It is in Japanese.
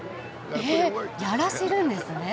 へえやらせるんですね。